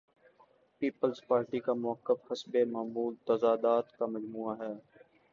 Peoples Party کا موقف حسب معمول تضادات کا مجموعہ ہے۔